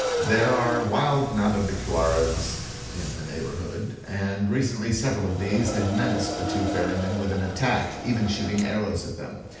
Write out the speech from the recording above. There are wild Nhambiquaras in the neighborhood, and recently several of these had menaced the two ferrymen with an attack, even shooting arrows at them.